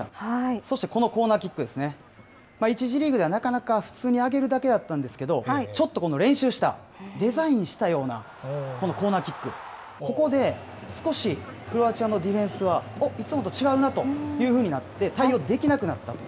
そしてこのコーナーキックですね、１次リーグではなかなか普通に上げるだけだったんですけど、ちょっとこの練習した、デザインしたような、このコーナーキック、ここで少しクロアチアのディフェンスは、おっ、いつもと違うなというふうになって、対応できなくなったんです。